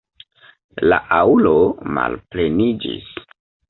La aŭlo malpleniĝis.